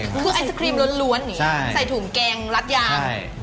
มันมีไอศครีมล้วนใส่ถุงแกงลัดยาง